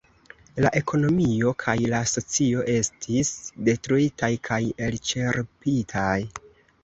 La ekonomio kaj la socio estis detruitaj kaj elĉerpitaj.